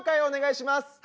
お願いします。